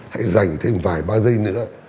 hãy dành thêm vài ba giây nữa